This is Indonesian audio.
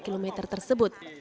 lima belas empat km tersebut